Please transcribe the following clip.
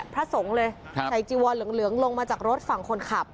พระสงฆ์เลยใส่จีวอนเหลืองลงมาจากรถฝั่งคนขับ